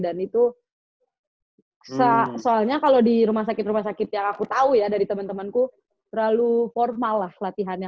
dan itu soalnya kalo di rumah sakit rumah sakit yang aku tau ya dari temen temenku terlalu formal lah latihannya